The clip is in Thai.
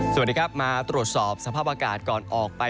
สวัสดีครับมาตรวจสอบสภาพอากาศก่อนออกไป